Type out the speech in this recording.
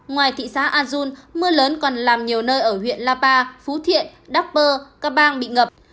ngoài thị xã an nhơn mưa lớn còn làm nhiều nơi ở huyện lapa phú thiện đắk bơ các bang bị ngập